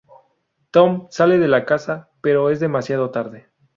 Tom sale de la casa, pero es demasiado tarde.